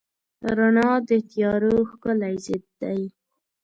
رڼا د تیارو ښکلی ضد دی.